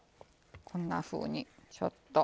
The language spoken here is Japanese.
こんなふうにちょっと。